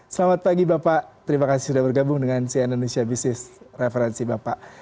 selamat pagi bapak terima kasih sudah bergabung dengan cn indonesia business referensi bapak